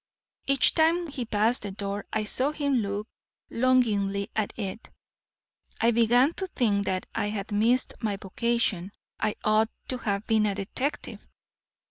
Each time he passed the door I saw him look longingly at it. I began to think that I had missed my vocation; I ought to have been a detective.